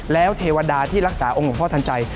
แล้วเทวดาที่รักษาองค์หลวงพ่อทันใจ